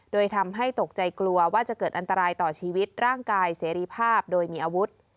โดยทำให้ตกใจกลัวว่าจะเกิดอันตรายต่อชีวิตร่างกายเสรีภาพโดยมีอาวุธ